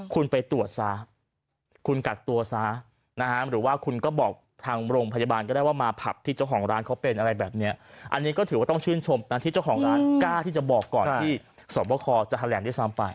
คุณไปตรวจซะคุณกักตัวซะนะฮะหรือว่าคุณก็บอกทางโรงพยาบาลก็ได้ว่ามาผับที่เจ้าของร้านเขาเป็นอะไรแบบนี้อันนี้ก็ถือว่าต้องชื่นชมนะที่เจ้าของร้านกล้าที่จะบอกก่อนที่สวบคอจะแถลงด้วยซ้ำไป